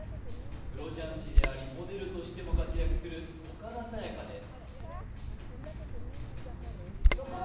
プロ雀士でありモデルとしても活躍する岡田紗佳です